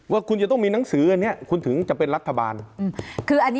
ว่าคุณจะต้องมีหนังสืออันนี้คุณถึงจะเป็นรัฐบาลคืออันนี้